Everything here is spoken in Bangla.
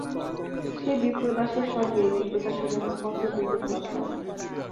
সেই বিপ্রদাসের সঙ্গে এই বিপ্রদাসের যেন কত যুগের তফাত!